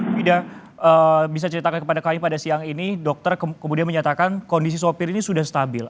wida bisa ceritakan kepada kami pada siang ini dokter kemudian menyatakan kondisi sopir ini sudah stabil